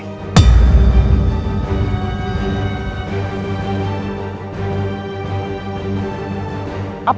aku mencintaikannya hingga aku mati